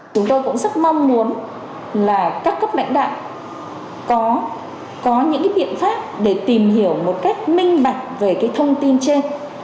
chúng tôi cũng rất mong muốn là các cấp lãnh đạo có những biện pháp để tìm hiểu một cách minh bạch về thông tin trên